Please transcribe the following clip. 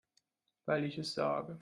Weil ich es sage.